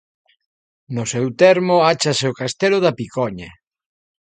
No seu termo áchase o Castelo da Picoña.